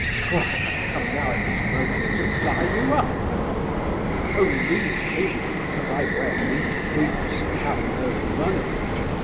Why, I've come now, at this moment, to buy you up! Oh, you needn't think that because I wear these boots I have no money.